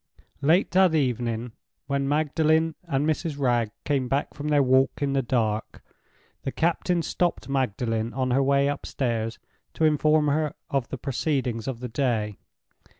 Late that evening, when Magdalen and Mrs. Wragge came back from their walk in the dark, the captain stopped Magdalen on her way upstairs to inform her of the proceedings of the day.